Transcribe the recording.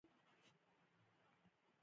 تر سلام وروسته يې وويل.